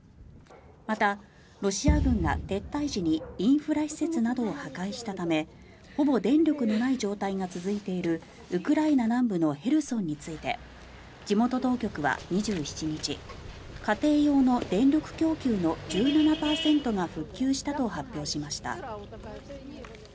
また、ロシア軍が撤退時にインフラ施設などを破壊したためほぼ電力のない状態が続いているウクライナ南部のヘルソンについて地元当局は２７日家庭用の電力供給の１７％が復旧したと発表しました。